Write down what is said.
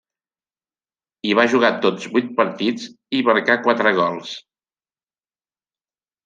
Hi va jugar tots vuit partits, i hi marcà quatre gols.